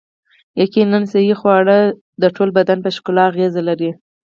یقیناً صحي خواړه د ټول بدن په ښکلا اغیزه لري